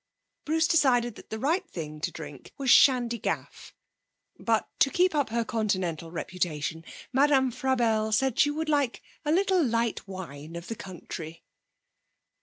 Bruce decided that the right thing to drink was shandy gaff, but, to keep up her Continental reputation, Madame Frabelle said she would like a little light wine of the country.